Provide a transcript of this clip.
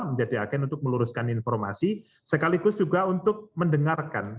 menjadi agen untuk meluruskan informasi sekaligus juga untuk mendengarkan